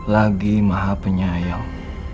lagi maha penyayang